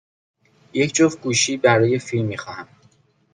یک جفت گوشی برای فیلم می خواهم.